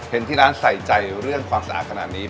เห็นที่ร้านใส่ใจเรื่องความสะอาดขนาดนี้